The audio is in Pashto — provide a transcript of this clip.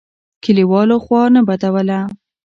کلیوالو خوا نه بدوله.